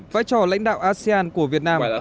vai trò lãnh đạo asean của việt nam